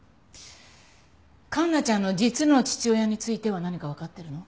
環奈ちゃんの実の父親については何かわかってるの？